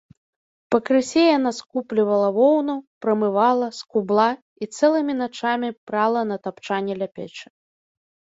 Пакрысе яна скуплівала воўну, прамывала, скубла і цэлымі начамі прала на тапчане ля печы.